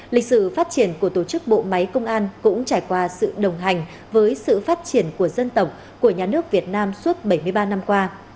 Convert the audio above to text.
lịch sử phát triển của tổ chức bộ máy công an cũng trải qua sự đồng hành với sự phát triển của dân tộc của nhà nước việt nam suốt bảy mươi ba năm qua